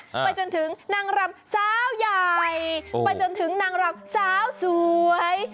ไปจนถึงนางรำสาวใหญ่ไปจนถึงนางรำสาวสวย